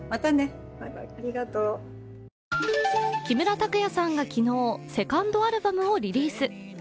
木村拓哉さんが昨日、セカンドアルバムをリリース。